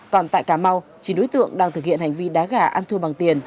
còn tại cà mau chín đối tượng đang thực hiện hành vi đá gà ăn thua bằng tiền